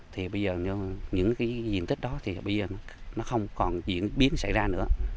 thì bây giờ những cái diện tích đó thì bây giờ nó không còn diễn biến xảy ra nữa